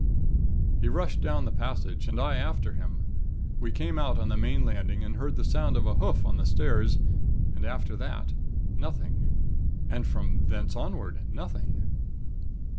"He rushed down the passage and I after him. We came out on the main landing and heard the sound of a hoof on the stairs and after that, nothing. And from thence onward, nothing.